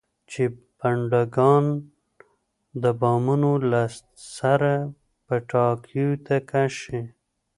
چې بډنکان د بامونو له سره پټاکیو ته کش شي.